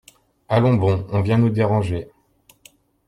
Allons, bon ! on vient nous déranger !